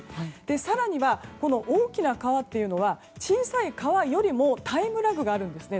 更には、大きな川というのは小さい川よりもタイムラグがあるんですね